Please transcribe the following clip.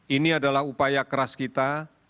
ini adalah upaya keras kita